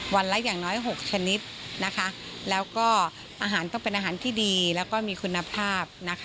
วันละอย่างน้อย๖ชนิดนะคะแล้วก็อาหารก็เป็นอาหารที่ดีแล้วก็มีคุณภาพนะคะ